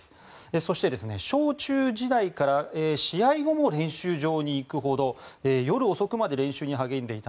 そして、小中時代から試合後も練習場に行くほど夜遅くまで練習に励んでいた。